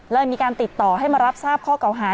เลยมีการติดต่อให้มารับทราบข้อเก่าหา